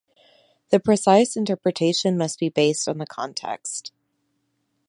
The precise interpretation must be based on the context.